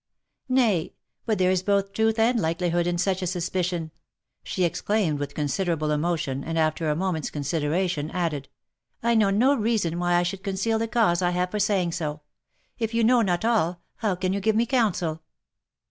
" Nay, but there is both truth and likelihood in such a suspicion," she exclaimed with considerable emotion, and after a moment's considera tion, added, " I know no reason why I should conceal the cause I have for saying so — if you know not all, how can you give me counsel